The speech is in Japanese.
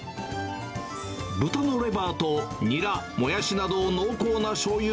豚のレバーとにら、もやしなどを濃厚なしょうゆ